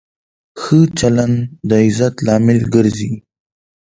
ښه چلند د عزت لامل ګرځي.